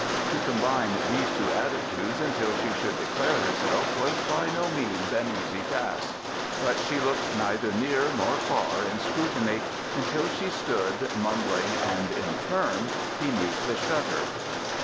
To combine these two attitudes until she should declare herself was by no means an easy task, but she looked neither near nor far in scrutiny until she stood, mumbling and infirm, beneath the shutter.